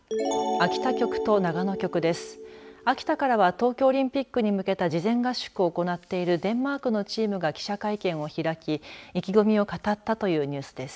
秋田からは東京オリンピックに向けた事前合宿を行っているデンマークのチームが記者会見を開き、意気込みを語ったというニュースです。